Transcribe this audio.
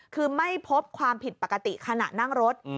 คือไม่พบความผิดปกติขณะนั่งรถ